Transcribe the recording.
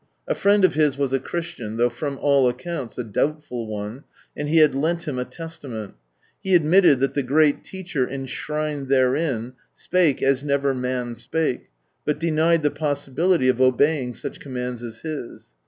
A friend of his was a Christian, though from all accounts a doubtful one, and he had lent him a Testament. He admitted that the great Teacher enshrined therein spake as never man spake, but denied the possibility of obeying such com mands as His.